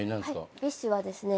ＢｉＳＨはですね